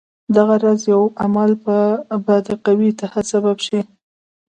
دغه راز یو عمل به د قوي اتحاد سبب شي.